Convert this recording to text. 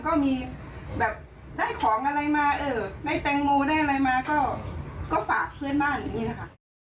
ก็มีแบบได้ของอะไรมาได้แตงโมได้อะไรมา